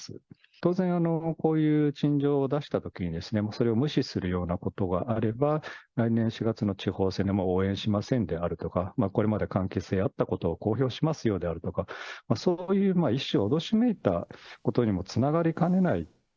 当然、こういう陳情を出したときに、それを無視するようなことがあれば、来年４月の地方選でもう応援しませんであるとか、これまで関係性があったことを公表しますよですとか、そういう一種、脅しめいたことにもつながりかねない。